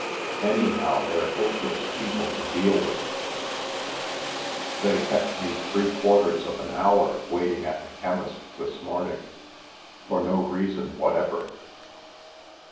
Anyhow they're hopeless people to deal with. They kept me three quarters of an hour waiting at the chemist's this morning, for no reason whatever."